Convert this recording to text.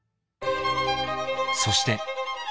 ［そして］